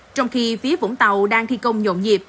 trong khi phía vũng tàu đang thi công nhộn nhịp